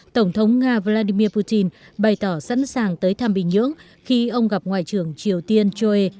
tổng thống nga vladimir putin bày tỏ sẵn sàng tới thăm bình nhưỡng khi ông gặp ngoại trưởng triều tiên cho